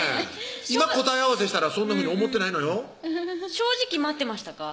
今答え合わせしたらそんなふうに思ってないのよ正直待ってましたか？